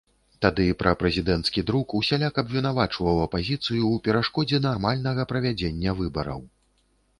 Тады прапрэзідэнцкі друк усяляк абвінавачваў апазіцыю ў перашкодзе нармальнага правядзення выбараў.